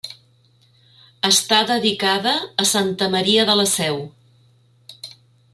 Està dedicada a Santa Maria de la Seu.